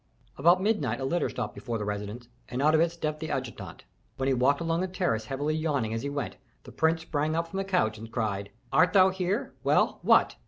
About midnight a litter stopped before the residence, and out of it stepped the adjutant. When he walked along the terrace heavily yawning as he went, the prince sprang up from the couch and cried, "Art thou here? Well, what?"